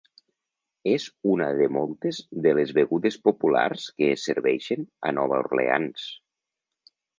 És una de moltes de les begudes populars que es serveixen a Nova Orleans.